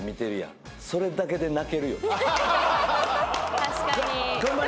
確かに。